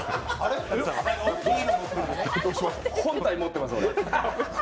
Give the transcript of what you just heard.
本体持ってます、俺。